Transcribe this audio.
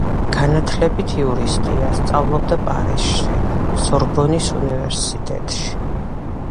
განათლებით იურისტია, სწავლობდა პარიზში, სორბონის უნივერსიტეტში.